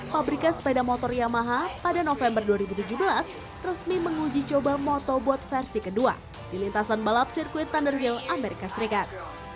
pabrikan sepeda motor yamaha pada november dua ribu tujuh belas resmi menguji coba motorbot versi kedua di lintasan balap sirkuit tenderwill amerika serikat